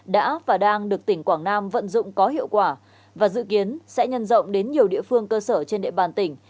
đã và đang được tỉnh quảng nam vận dụng có hiệu quả và dự kiến sẽ nhân rộng đến nhiều địa phương cơ sở trên địa bàn tỉnh